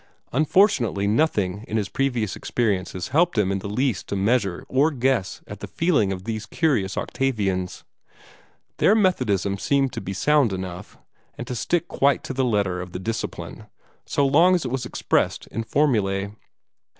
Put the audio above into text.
Unfortunately nothing in his previous experiences helped him in the least to measure or guess at the feelings of these curious Octavians. Their Methodism seemed to be sound enough, and to stick quite to the letter of the Discipline, so long as it was expressed in formulae.